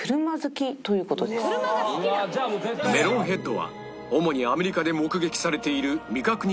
メロンヘッドは主にアメリカで目撃されている未確認